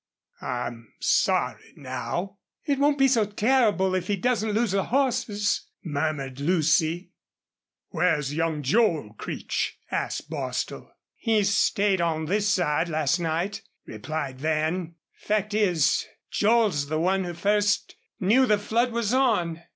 I'm sorry now." "It won't be so terrible if he doesn't lose the horses," murmured Lucy. "Where's young Joel Creech?" asked Bostil. "He stayed on this side last night," replied Van. "Fact is, Joel's the one who first knew the flood was on.